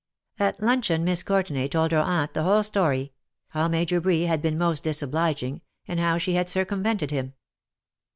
At luncheon Miss Courtenay told her aunt the ">vhole story — how Major Bree had been most dis obliging^ and how she had circumvented him.